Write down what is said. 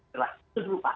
jelas itu dulu pak